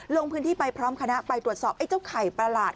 ลงพื้นที่ไปพร้อมคณะไปตรวจสอบไอ้เจ้าไข่ประหลาด